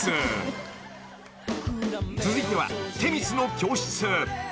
［続いては『女神の教室』］